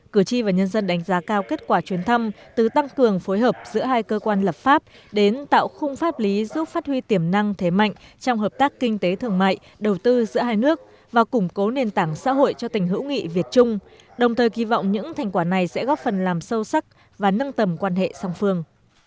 cử tri và nhân dân đánh giá cao kết quả chuyến thăm từ tăng cường phối hợp giữa hai cơ quan lập pháp đến tạo khung pháp lý giúp phát huy tiềm năng thế mạnh trong hợp tác kinh tế thường mại đầu tư giữa hai nước và củng cố nền tảng xã hội cho tình hữu nghị việt trung đồng thời kỳ vọng những thành quả này sẽ góp phần làm sâu sắc và nâng tầm quan hệ song phương